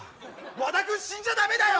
和田君死んじゃ駄目だよ！